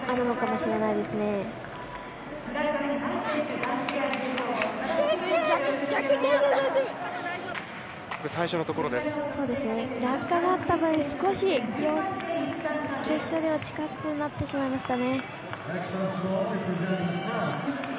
そうですね、落下があった分、少しでは近くなってしまいましたね。